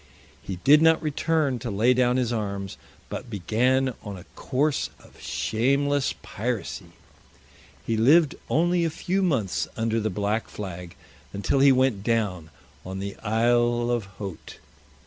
He did not return to lay down his arms, but began on a course of shameless piracy. He lived only a few months under the black flag, until he went down on the Isle of Haut.